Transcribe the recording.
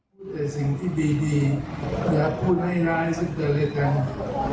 พูดแต่สิ่งที่ดีอยากพูดให้ร้ายสิ่งเดียวเลยครับ